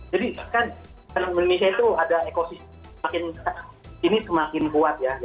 jadi kan indonesia itu ada ekosistem semakin ini semakin kuat ya